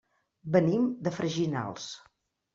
Venim de Freginals.